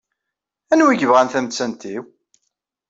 Anwi yebɣan tamettant-iw?